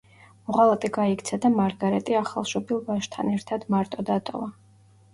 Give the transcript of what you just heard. მოღალატე გაიქცა და მარგარეტი ახალშობილ ვაჟთან ერთად მარტო დატოვა.